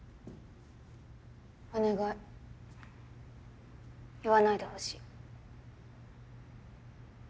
お願い言わないでほしい。